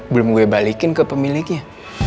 belum gue balikin ke pemiliknya